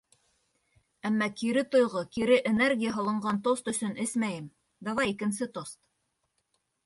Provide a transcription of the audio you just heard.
Әммә кире тойғо, кире энергия һалынған тост өсөн эсмәйем, давай, икенсе тост!